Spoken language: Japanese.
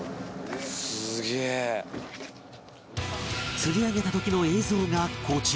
釣り上げた時の映像がこちら